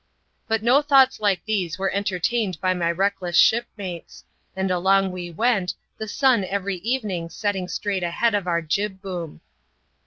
But no thoughts like these were entertained by my reckless shipmates ; and along we went, the sun every evening setting right ahead of our jib boom.